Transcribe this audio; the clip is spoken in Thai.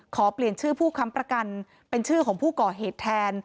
ขอเปลี่ยนชื่อผู้ค้ำประกันเป็นชื่อของผู้ก่อเหตุแทน